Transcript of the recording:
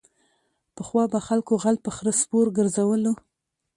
پخوا به خلکو غل په خره سور گرځولو.